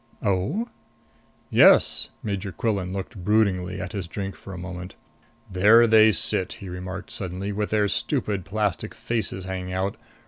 "Oh?" "Yes." Major Quillan looked broodingly at his drink for a moment. "There they sit," he remarked suddenly, "with their stupid plastic faces hanging out!